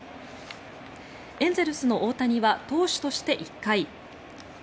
エンゼルスの大谷は投手として１回。